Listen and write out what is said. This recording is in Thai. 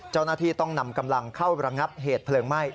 เจ้าหน้าที่ต้องนำกำลังเข้าระงับเหตุเพลิงไหม้